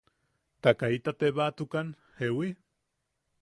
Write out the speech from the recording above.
–Ta kaita tebaatukan ¿jeewi?